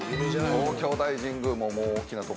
東京大神宮も大きな所ですよ。